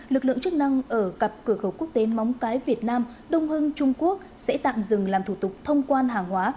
lực lượng chức năng ở cặp cửa khẩu quốc tế móng cái việt nam đông hưng trung quốc sẽ tạm dừng làm thủ tục thông quan hàng hóa